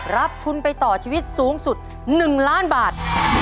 รับทุนไปต่อชีวิตสูงสุด๑ล้านบาท